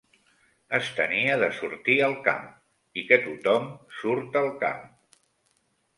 Es tenia de sortir al camp, i que tot-hom surt al camp